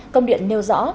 công điện nêu rõ